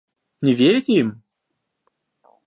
Не верите им?